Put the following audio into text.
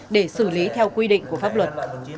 để xử lý theo quy định của pháp luật